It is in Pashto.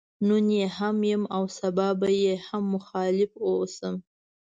نن يې هم يم او سبا به هم مخالف واوسم.